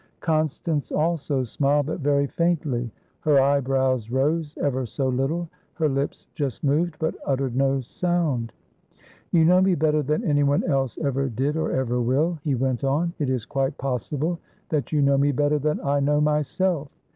Constance also smiled, but very faintly. Her eyebrows rose, ever so little. Her lips just moved, but uttered no sound. "You know me better than anyone else ever did or ever will," he went on. "It is quite possible that you know me better than I know myself.